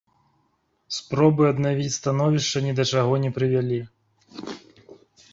Спробы аднавіць становішча ні да чаго не прывялі.